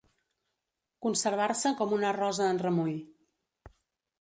Conservar-se com una rosa en remull.